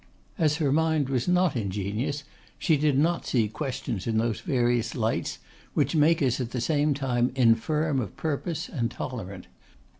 As her mind was not ingenious she did not see questions in those various lights which make us at the same time infirm of purpose and tolerant.